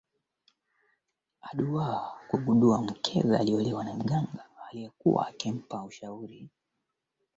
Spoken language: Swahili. kuanzia mwaka elfu moja mia tisa sabini na moja